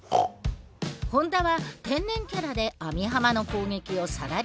本田は天然キャラで網浜の攻撃をさらりとかわす。